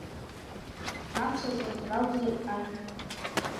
Аԥсаҵлақәа ракәзар Ажә.